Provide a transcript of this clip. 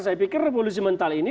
saya pikir revolusi mental ini